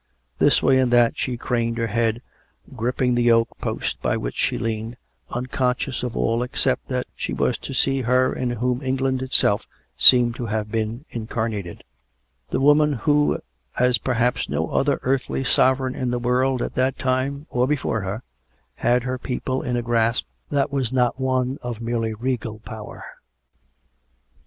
This way and that she craned her head, gripping the oak post by which she leaned, unconscious of all except that she was to see her in whom England itself seemed to have been incarnated — the woman who, as perhaps no other earthly sovereign in the world at that time, or before her, had her people in a grasp that was not one of merely regal power.